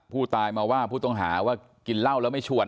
ผู้ตายมาว่าผู้ต้องหาว่ากินเหล้าแล้วไม่ชวน